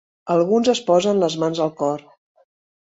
Alguns es posen les mans al cor.